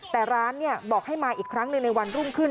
แต่ร้านบอกให้มาอีกครั้งหนึ่งในวันรุ่งขึ้น